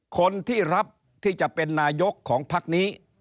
คนที่รับที่จะเป็นนายกของพักนี้